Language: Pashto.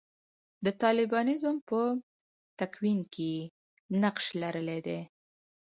د طالبانیزم په تکوین کې یې نقش لرلی دی.